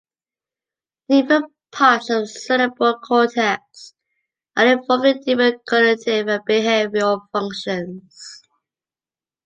Different parts of the cerebral cortex are involved in different cognitive and behavioral functions.